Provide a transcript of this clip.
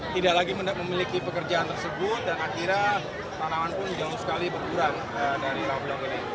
tidak lagi memiliki pekerjaan tersebut dan akhirnya tanaman pun jauh sekali berkurang dari laut ini